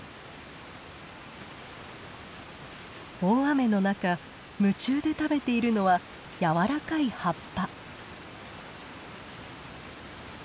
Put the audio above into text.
大雨の中夢中で食べているのは柔らかい葉っぱ。